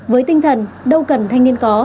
với tinh thần đâu cần thanh niên có